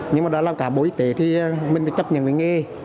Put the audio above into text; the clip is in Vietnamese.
nhưng mà đã làm cả bộ y tế thì mình phải chấp nhận cái nghề